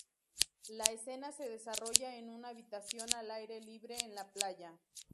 La escena se desarrolla en una habitación al aire libre en la playa.